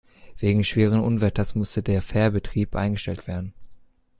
Wegen schweren Unwetters musste der Fährbetrieb eingestellt werden.